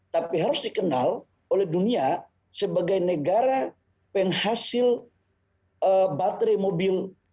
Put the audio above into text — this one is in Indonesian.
tapi harus dikenal oleh dunia sebagai negara penghasil baterai mobil